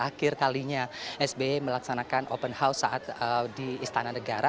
akhir kalinya sby melaksanakan open house saat di istana negara